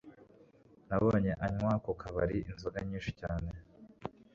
Nabonye anywa ku kabari inzoga nyinshi cyane